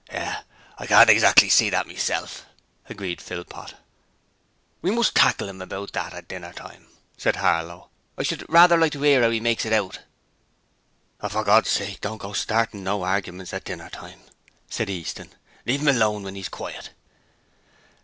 'Yes. I can't exactly see that meself,' agreed Philpot. 'We must tackle 'im about that at dinner time,' said Harlow. 'I should rather like to 'ear 'ow 'e makes it out.' 'For Gord's sake don't go startin' no arguments at dinner time,' said Easton. 'Leave 'im alone when 'e is quiet.'